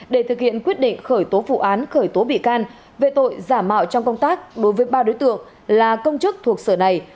để thực hiện quyết định khởi tố vụ án khởi tố bị can về tội giả mạo trong công tác đối với ba đối tượng là công chức thuộc sở này